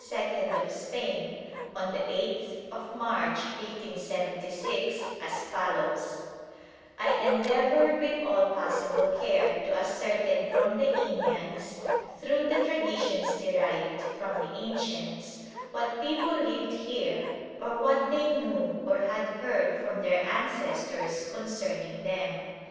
of Spain on the 8th March, 1576, as follows: "I endeavoured with all possible care to ascertain from the Indians through the traditions derived from the ancients, what people lived here or what they knew or had heard from their ancestors concerning them.